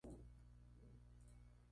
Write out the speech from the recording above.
De hecho, es una hoja con pep.